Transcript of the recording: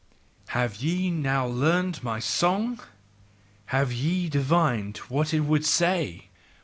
Have ye now learned my song? Have ye divined what it would say?